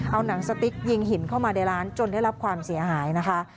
เอาหนังสติ๊กยิงหินเข้ามาในร้านจนได้รับความเสียหายนะคะ